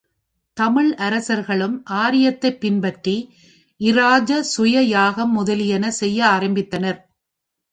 தமிழ் அரசர்களும் ஆரியத்தைப் பின்பற்றி, இராஜ சூய யாகம் முதலியன செய்ய ஆரம்பித்தனர்.